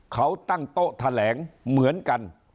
เขาตั้งโต๊ะแถลงเหมือนกัน